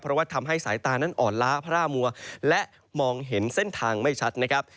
เพราะว่าทำให้สายตานั้นอ่อนล้าพระร่ามัวและมองเห็นเส้นทางไม่ชัดนะครับ